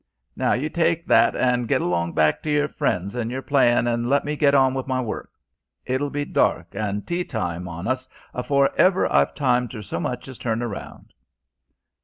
"Now you taeke that an' get along back to yer friends an' yer playin', and let me get on with my work. It'll be dark an' tea time on us afore ever I've time ter so much as turn round."